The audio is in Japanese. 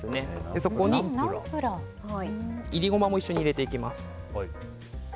そこにいりゴマも一緒に入れていきます。